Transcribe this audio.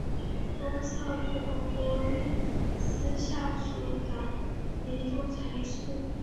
东瑟莫波利斯下属的一座城市。